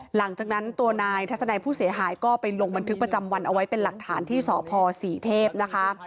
หลังจากนั้นตัวนายทัศนัยผู้เสียหายก็ไปลงบันทึกประจำวันเอาไว้เป็นหลักฐานที่สพศรีเทพนะคะ